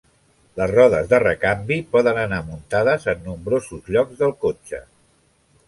Les rodes de recanvi poden anar muntades en nombrosos llocs del cotxe.